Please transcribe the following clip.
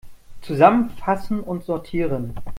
Zusammenfassen und sortieren!